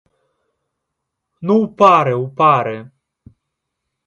Ну, у пары, у пары!